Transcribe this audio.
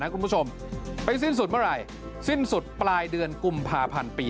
คุณผู้ชมไปสิ้นสุดเมื่อไหร่สิ้นสุดปลายเดือนกุมภาพันธ์ปี